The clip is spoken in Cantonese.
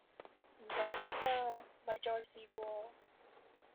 唔緊要㗎，咪再試過